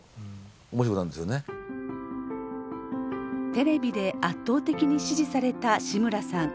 テレビで圧倒的に支持された志村さん。